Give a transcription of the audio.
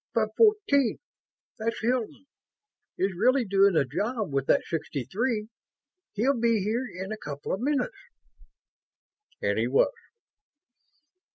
But Fourteen that's Hilton is really doing a job with that sixty three. He'll be here in a couple of minutes." And he was.